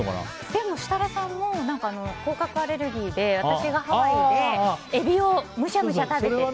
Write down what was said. でも設楽さんも甲殻アレルギーで私がハワイでエビをむしゃむしゃ食べてて。